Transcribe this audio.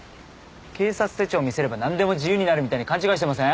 警察手帳見せればなんでも自由になるみたいに勘違いしてません？